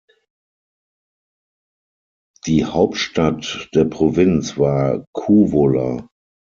Die Hauptstadt der Provinz war Kouvola.